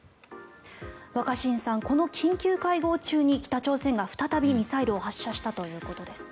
若新さん、この緊急会合中に北朝鮮が再びミサイルを発射したということです。